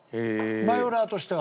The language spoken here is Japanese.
マヨラーとしては。